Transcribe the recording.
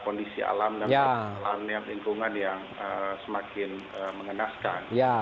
kondisi alam dan lingkungan yang semakin mengenaskan